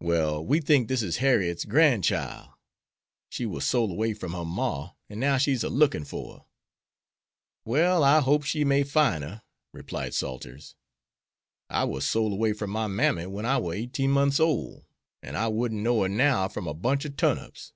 Well, we think dis is Harriet's gran'chile. She war sole away from her mar, an' now she's a lookin' fer her." "Well, I hopes she may fine her," replied Salters. "I war sole 'way from my mammy wen I war eighteen mont's ole, an' I wouldn't know her now from a bunch ob turnips."